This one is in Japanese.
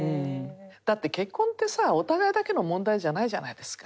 だって結婚ってさお互いだけの問題じゃないじゃないですか。